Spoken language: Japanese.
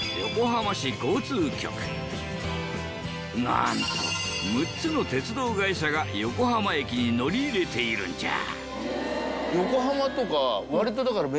なんと６つの鉄道会社が横浜駅に乗り入れているんじゃ。